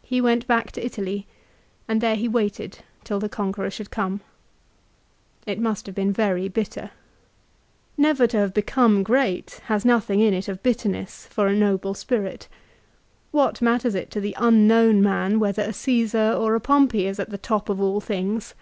He went back to Italy, and there he waited till the conqueror should come. It must have been very bitter. Never to have become great has nothing in it of bitterness for a noble spirit. What matters it to the unknown man whether a Caesar or a Pompey is at the top of all things